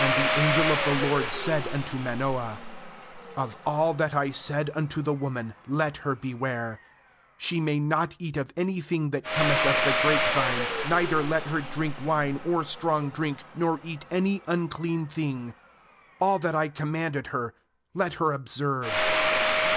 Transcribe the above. ^A the angel of the LORD said unto Manoah: 'Of all that I said unto the woman let her beware. 14She may not eat of any thing that cometh of the grape vine, neither let her drink wine or strong drink, nor eat any un clean thing; all that I commanded her let her observe.'